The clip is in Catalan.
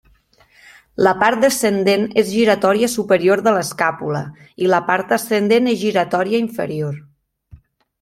La part descendent és giratòria superior de l'escàpula i la part ascendent és giratòria inferior.